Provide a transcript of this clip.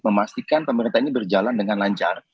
memastikan pemerintah ini berjalan dengan lancar